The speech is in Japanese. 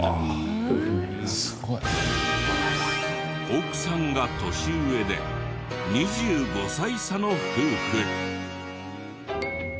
奥さんが年上で２５歳差の夫婦。